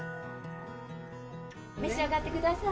召し上がってください。